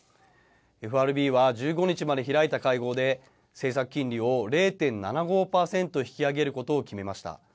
ＦＲＢは１５日まで開いた会合で、政策金利を０．７５％引き上げることを決めました。